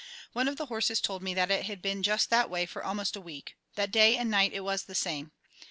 One of the horses told me that it had been just that way for almost a week; that day and night it was the same.